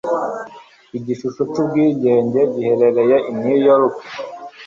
Igishusho c'Ubwigenge giherereye i New York.